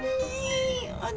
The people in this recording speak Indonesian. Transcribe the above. wih lucu banget